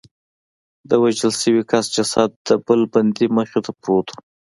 د وژل شوي کس جسد د بل بندي مخې ته پروت و